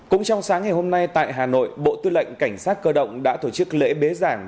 cũng trong sáng ngày hôm nay tại hà nội bộ tư lệnh cảnh sát cơ động đã tổ chức lễ bế giảng